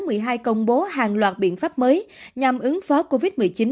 ông mùng hai tháng một mươi hai công bố hàng loạt biện pháp mới nhằm ứng phó covid một mươi chín